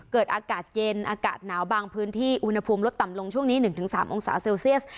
อากาศเย็นอากาศหนาวบางพื้นที่อุณหภูมิลดต่ำลงช่วงนี้๑๓องศาเซลเซียส